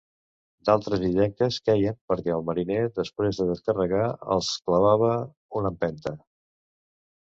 D'altres illenques queien perquè el mariner, després de descarregar, els clavava una empenta.